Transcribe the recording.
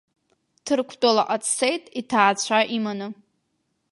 Ҭырқәтәылаҟа дцеит иҭаацәа иманы.